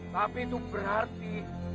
tapi itu berarti